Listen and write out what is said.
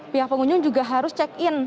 pihak pengunjung juga harus check in